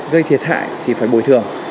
gây thiệt hại thì phải bồi thường